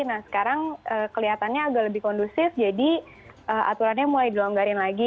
nah sekarang kelihatannya agak lebih kondusif jadi aturannya mulai dilonggarin lagi